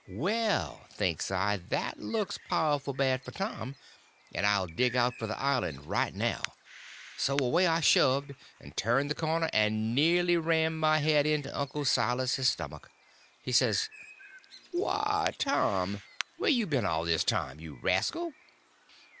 Well, thinks I, that looks powerful bad for Tom, and I'll dig out for the island right off. So away I shoved, and turned the corner, and nearly rammed my head into Uncle Silas's stomach! He says: "Why, Tom! Where you been all this time, you rascal?"